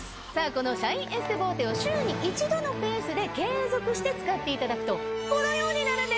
このシャインエステボーテを週に１度のペースで継続して使っていただくとこのようになるんです。